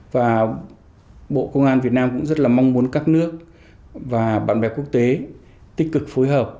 và bộ công an việt nam cũng rất là mong muốn các nước và bạn bè quốc tế tích cực phối hợp